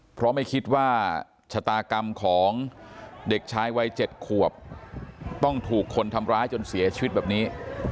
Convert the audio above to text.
เพราะไม่คิดว่าชะตากรรมของเด็กชายวัย๗ขวบต้องถูกคนทำร้ายจนเสียชีวิตแบบนี้